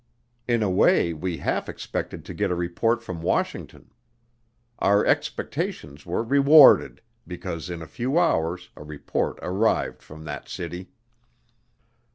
In a way we half expected to get a report from Washington. Our expectations were rewarded because in a few hours a report arrived from that city.